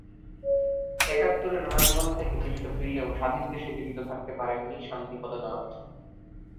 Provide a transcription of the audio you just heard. একাত্তরের রণাঙ্গন থেকে জীবিত ফিরলেও স্বাধীন দেশে জীবিত থাকতে পারেননি শান্তিপদ নাথ।